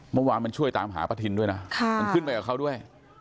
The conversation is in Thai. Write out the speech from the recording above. เมื่อวานมันช่วยตามหาประทินด้วยนะมันขึ้นไปกับเขาด้วย